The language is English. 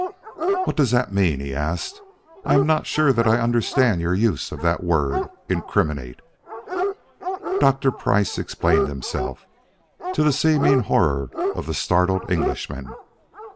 "What does that mean?" he asked. "I am not sure that I understand your use of that word incriminate." Dr. Price explained himself, to the seeming horror of the startled Englishman.